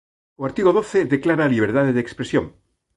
O artigo doce declara a liberdade de expresión.